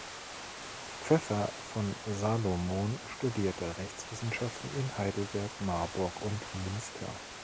Pfeffer von Salomon studierte Rechtswissenschaften in Heidelberg, Marburg und Münster.